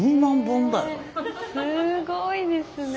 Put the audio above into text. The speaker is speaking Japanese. えすごいですね。